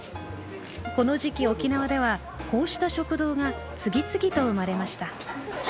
この時期沖縄ではこうした食堂が次々と生まれました。